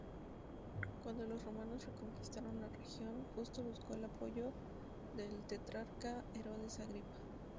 Cuando los romanos reconquistaron la región, Justo buscó el apoyo del tetrarca Herodes Agripa.